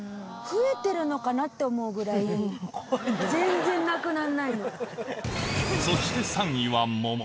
増えてるのかな？って思うぐらい全然なくならないの。